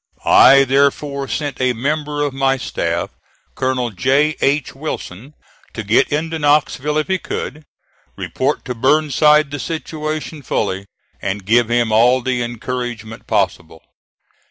I therefore sent a member of my staff, Colonel J. H. Wilson, to get into Knoxville if he could report to Burnside the situation fully, and give him all the encouragement possible.